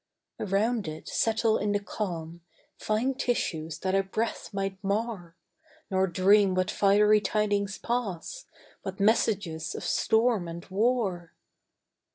Around it settle in the calm Fine tissues that a breath might mar, Nor dream what fiery tidings pass, What messages of storm and war.